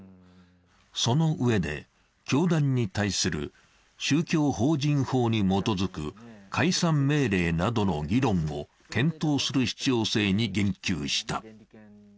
そのうえで教団に対する宗教法人法に基づく解散命令などの議論を検討する必要性に言及した。